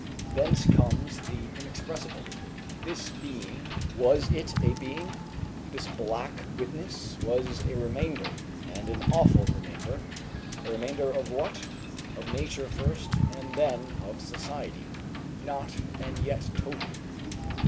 Thence comes the inexpressible. This being was it a being? This black witness was a remainder, and an awful remainder a remainder of what? Of nature first, and then of society. Naught, and yet total.